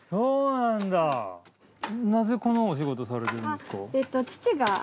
なぜこのお仕事されてるんですか？